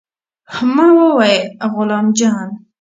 ما وويل غلام جان.